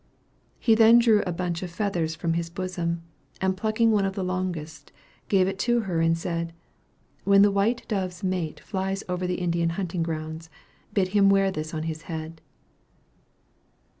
He then drew a bunch of feathers from his bosom, and plucking one of the longest, gave it to her, and said, "When the white dove's mate flies over the Indians' hunting grounds, bid him wear this on his head."